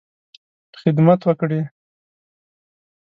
خدمت وکړې.